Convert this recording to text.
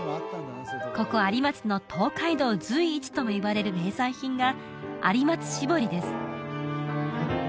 ここ有松の東海道随一ともいわれる名産品が有松絞りです